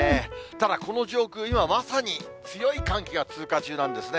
ただこの上空、今まさに強い寒気が通過中なんですね。